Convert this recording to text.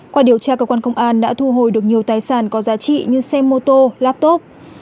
qua điều tra cơ quan công an đã thu hồi được nhiều tài sản có giá trị như xe mô tô laptop